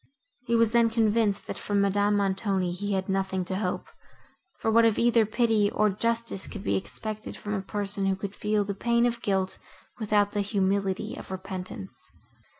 He was then convinced, that from Madame Montoni he had nothing to hope, for what of either pity, or justice could be expected from a person, who could feel the pain of guilt, without the humility of repentance?